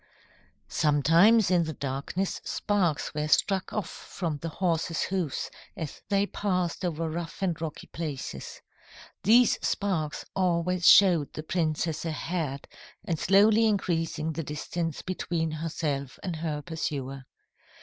"Sometimes in the darkness sparks were struck off from the horses' hoofs as they passed over rough and rocky places. These sparks always showed the princess ahead and slowly increasing the distance between herself and her pursuer.